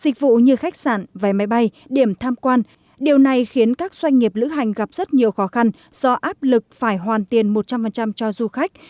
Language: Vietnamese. dịch vụ như khách sạn vé máy bay điểm tham quan điều này khiến các doanh nghiệp lữ hành gặp rất nhiều khó khăn do áp lực phải hoàn tiền một trăm linh cho du khách